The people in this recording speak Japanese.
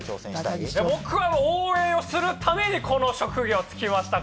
僕は応援するためにこの職業に就きました。